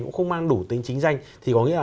cũng không mang đủ tính chính danh thì có nghĩa là